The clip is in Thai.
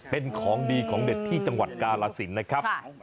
เป็นของดีของเด็ดที่จังหวัดกาลสินนะครับ